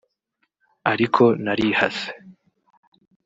ariko narihase